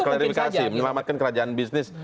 kualifikasi menyelamatkan kerajaan bisnis